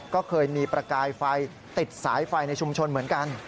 ก็เคยมีประกายไฟติดสายไฟในชุมชนเหมือนกัน